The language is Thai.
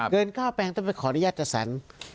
เกิน๙แปลงต้องไปขออนุญาตจัดสรร